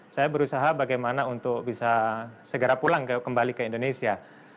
saya berusaha bagaimana untuk bisa segera pulang kembali ke indonesia